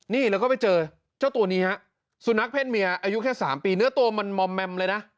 นี่แล้วก็ไปเจอเจ้าตัวนี้ฮะสุนัขเศษเมียอายุแค่๓ปีเนื้อตัวมันมอมแมมเลยนะ